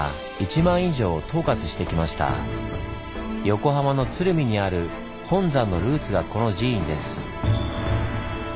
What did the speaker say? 横浜の鶴見にある本山のルーツがこの寺院です。